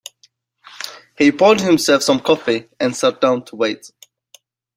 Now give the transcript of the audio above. He boiled himself some coffee and sat down to wait.